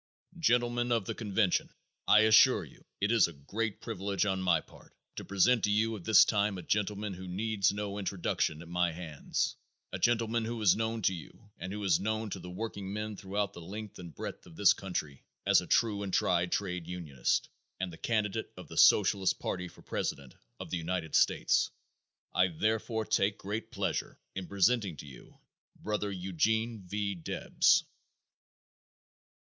Gentlemen of the Convention: I assure you it is a great privilege on my part to present to you at this time a gentleman who needs no introduction at my hands; a gentleman who is known to you and who is known to the workingmen throughout the length and breadth of this country as a true and tried trade unionist and the candidate of the Socialist party for President of the United States. I, therefore, take great pleasure in presenting to you Brother Eugene V. Debs.